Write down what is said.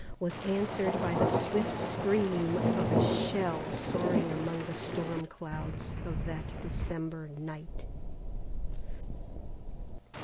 was answered by the swift scream of a shell soaring among the storm clouds of that December night.